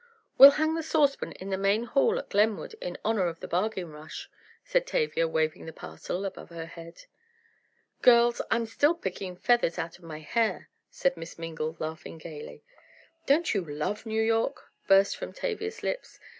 "We'll hang the saucepan in the main hall at Glenwood in honor of the bargain rush," said Tavia, waving the parcel above her head. "Girls, I'm still picking feathers out of my hair!" said Miss Mingle, laughing gaily. "Don't you love New York?" burst from Tavia's lips.